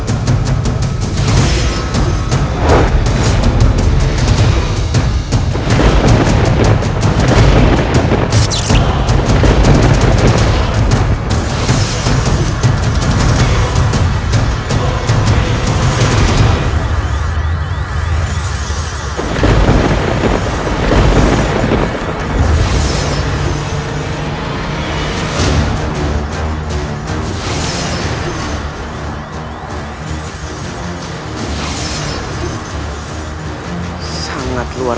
ibu unda akan menemukanmu